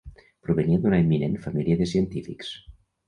Provenia d'una eminent família de científics.